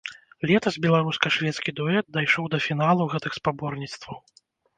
Летась беларуска-шведскі дуэт дайшоў да фіналу гэтых спаборніцтваў.